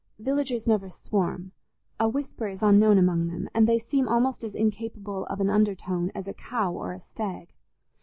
Villagers never swarm: a whisper is unknown among them, and they seem almost as incapable of an undertone as a cow or a stag.